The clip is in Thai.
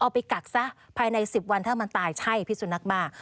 ไปกักซะภายใน๑๐วันถ้ามันตายใช่พิสุนักบ้า